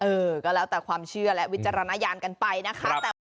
เออก็แล้วแต่ความเชื่อและวิจารณญาณกันไปนะคะ